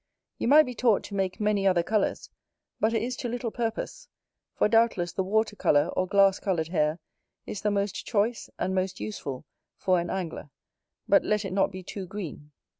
You might be taught to make many other colours, but it is to little purpose; for doubtless the water colour or glass coloured hair is the most choice and most useful for an angler, but let it not be too green.